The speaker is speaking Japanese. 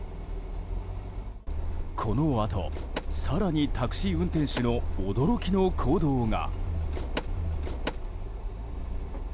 このあと更にタクシー運転手の驚きの行動が。